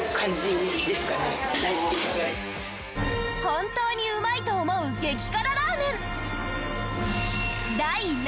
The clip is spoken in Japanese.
本当にウマいと思う激辛ラーメン。